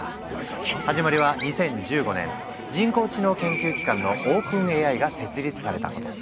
始まりは２０１５年人工知能研究機関のＯｐｅｎＡＩが設立されたこと。